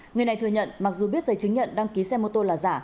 người này thừa nhận mặc dù biết giấy chứng nhận đăng ký xe mô tô là giả